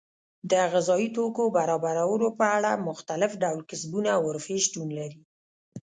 د غذایي توکو برابرولو په اړه مختلف ډول کسبونه او حرفې شتون لري.